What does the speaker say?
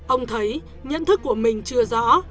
ông thấy nhận thức của mình chưa rõ